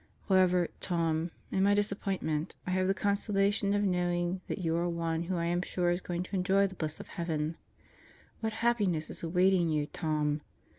However, Tom, in my disappointment, I have the consolation of knowing that you are one whom I am sure is going to enjoy the bliss of heaven. ... What happiness is awaiting you, Tom!